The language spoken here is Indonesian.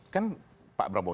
kan pak prabowo